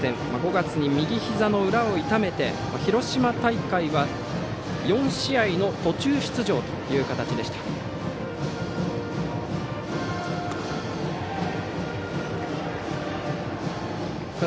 ５月に右ひざの裏を痛めて広島大会は４試合の途中出場という形でした。